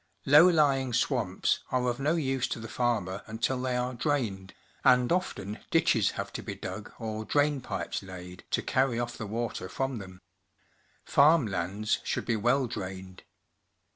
Low lying swamps are of no use to the farmer until they are drained, and often ditches have to be dug or drain pipes laid to carry ofi" the water from them. Farm lands should be well drained.